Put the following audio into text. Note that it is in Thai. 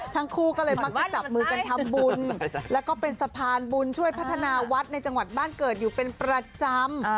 ทั้งคู่ก็เลยมักจะจับมือกันทำบุญแล้วก็เป็นสะพานบุญช่วยพัฒนาวัดในจังหวัดบ้านเกิดอยู่เป็นประจำ